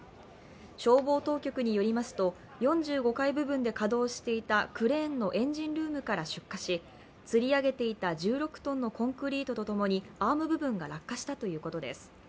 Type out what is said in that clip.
消防当局によりますと、４５階部分で稼働していたクレーンのエンジンルームから出火しつり上げていた１６ｔのコンクリートと共にアーム部分が落下したということです。